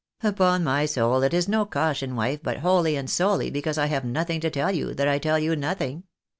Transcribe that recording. " Upon my soul it is no caution, wife, but wholly and solely because I have nothing to tell you, that I tell you nothing.